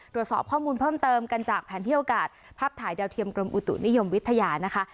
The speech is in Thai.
ตรวจสอบข้อมูลเพิ่มเติมกันจากแผนที่โอกาสภาพถ่ายดาวเทียมกรมอุตุนิยมวิทยานะคะ